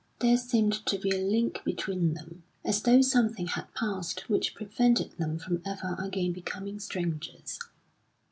There seemed to be a link between them, as though something had passed which prevented them from ever again becoming strangers.